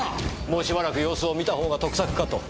もうしばらく様子を見たほうが得策かと。